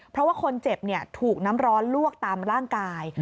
เพราะว่าคนเจ็บถูกน้ำร้อนลวกตามร่างกาย